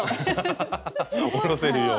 ハハハおろせるように。